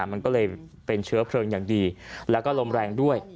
มันก็เลยเป็นเชื้อเพลิงอย่างดีแล้วก็ลมแรงด้วย